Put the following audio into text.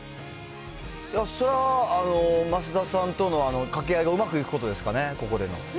そら、増田さんとのかけ合いがうまくいくことですかね、ここでの。